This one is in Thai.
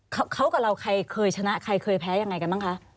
เขากับเราใครเคยชนะใครเคยแพ้ยังไงกันบ้างคะ